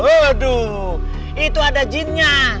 waduh itu ada jinnya